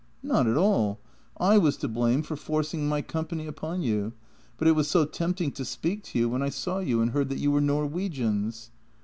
" Not at all. I was to blame for forcing my company upon you, but it was so tempting to speak to you when I saw you and heard that you were Norwegians."